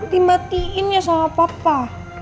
dimatiin ya sama papa